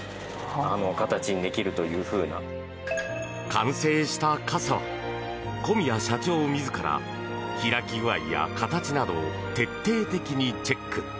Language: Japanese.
完成した傘は、小宮社長自ら開き具合や形など徹底的にチェック。